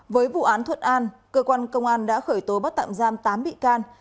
với vụ án thuận an cơ quan công an đã khởi tố bắt tạm giam tám bị can